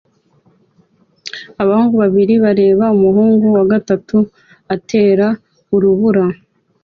Abahungu babiri bareba umuhungu wa gatatu atera urubura